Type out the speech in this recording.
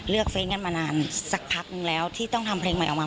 เฟรนดกันมานานสักพักนึงแล้วที่ต้องทำเพลงใหม่ออกมา